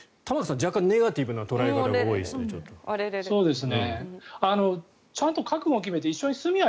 若干ネガティブな捉え方が多いですね。